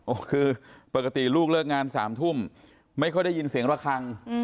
โอ้โหคือปกติลูกเลิกงาน๓ทุ่มไม่ค่อยได้ยินเสียงระคัง